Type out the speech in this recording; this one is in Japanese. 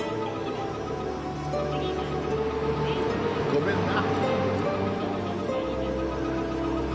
ごめんな。